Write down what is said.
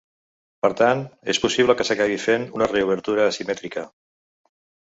Per tant, és possible que s’acabi fent una reobertura asimètrica.